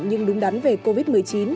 nhưng đúng đắn về covid một mươi chín